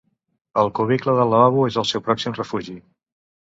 El cubicle del lavabo és el seu pròxim refugi.